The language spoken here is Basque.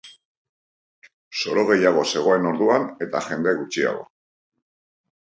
Soro gehiago zegoen orduan eta jende gutxiago.